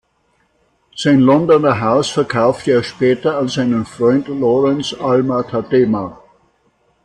Sein Londoner Haus verkaufte er später an seinen Freund Lawrence Alma-Tadema.